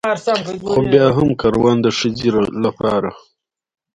خو بيا هم کاروان د ښځې لپاره